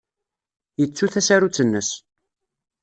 Yettu tasarut-nnes.